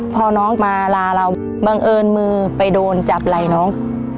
พอน้องมาลาเราบังเอิญมือไปโดนจับไหล่น้อง